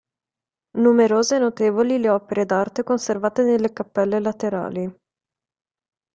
Numerose e notevoli le opere d'arte conservate nelle cappelle laterali.